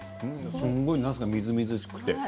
すごいなすがみずみずしくて。